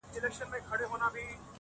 خو حقيقت نه بدل کيږي تل،